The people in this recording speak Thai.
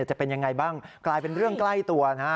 จะเป็นยังไงบ้างกลายเป็นเรื่องใกล้ตัวนะฮะ